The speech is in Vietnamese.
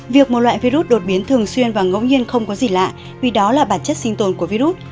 việc một loại virus đột biến thường xuyên và ngẫu nhiên không có gì lạ vì đó là bản chất sinh tồn của virus